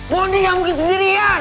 mohon dia yang mungkin sendirian